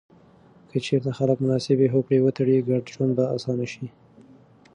که چیرته خلک مناسبې هوکړې وتړي، ګډ ژوند به اسانه سي.